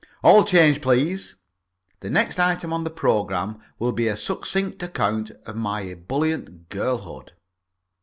All change, please. The next item on the programme will be a succinct account of my ebullient girlhood.